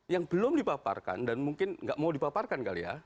yang belum dipaparkan dan mungkin nggak mau dipaparkan kali ya